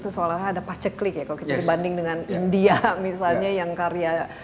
dua ribu soalnya ada paceklik ya kalau kita dibanding dengan india misalnya yang karya